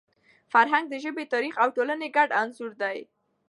فرهنګ د ژبي، تاریخ او ټولني ګډ انځور دی.